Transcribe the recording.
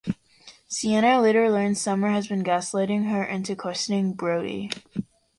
Sienna later learns Summer has been gaslighting her into questioning Brody.